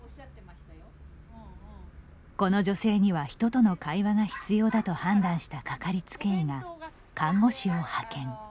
この女性には人との会話が必要だと判断したかかりつけ医が看護師を派遣。